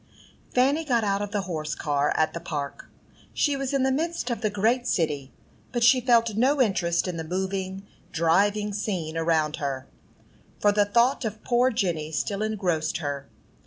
Fanny got out of the horse car at the Park. She was in the midst of the great city, but she felt no interest in the moving, driving scene around her, for the thought of poor Jenny still engrossed her.